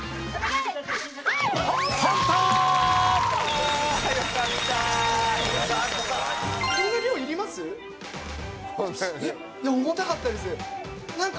いや重たかったですなんか